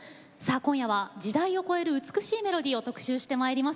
今夜は時代を超える美しいメロディーを特集してまいります。